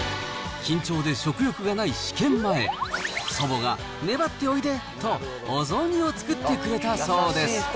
緊張で食欲がない試験前、祖母が粘っておいでとお雑煮を作ってくれたそうです。